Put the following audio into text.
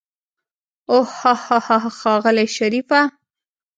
اوح هاهاها ښاغلی شريفه.